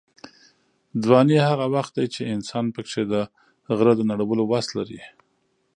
ځواني هغه وخت ده چې انسان پکې د غره د نړولو وس لري.